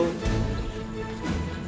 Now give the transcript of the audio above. gue peringatin ya